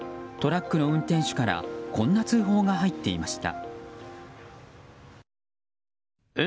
トラックの運転手からこんな通報が入っていました。